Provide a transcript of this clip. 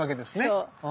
そう。